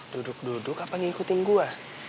duduk duduk apa ngikutin gue